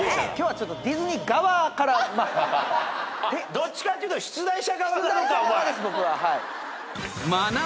どっちかっていうと出題者側なのかお前。